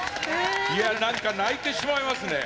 いや何か泣いてしまいますね。